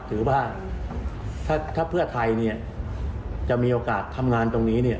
ถือว่าถ้าเพื่อไทยเนี่ยจะมีโอกาสทำงานตรงนี้เนี่ย